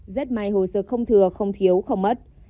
rất may hồ sơ không thừa không thiếu không mất